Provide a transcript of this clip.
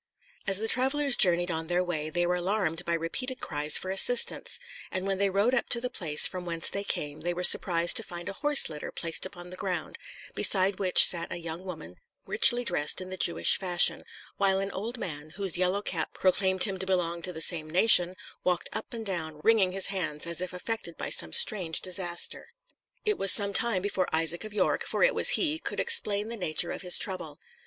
As the travellers journeyed on their way, they were alarmed by repeated cries for assistance; and when they rode up to the place from whence they came, they were surprised to find a horse litter placed upon the ground, beside which sat a young woman, richly dressed in the Jewish fashion, while an old man, whose yellow cap proclaimed him to belong to the same nation, walked up and down, wringing his hands, as if affected by some strange disaster. It was some time before Isaac of York, for it was he, could explain the nature of his trouble.